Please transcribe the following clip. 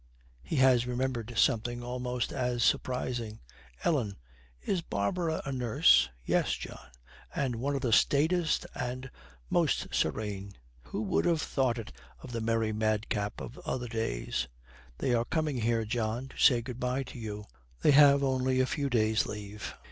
He has remembered something almost as surprising, 'Ellen, is Barbara a nurse?' 'Yes, John, and one of the staidest and most serene. Who would have thought it of the merry madcap of other days! They are coming here, John, to say good bye to you. They have only a few days' leave.